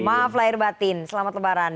maaf lahir batin selamat lebaran